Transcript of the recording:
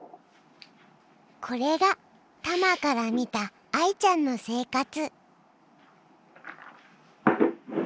これがたまから見た愛ちゃんの生活。